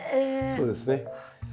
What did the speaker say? そうですね。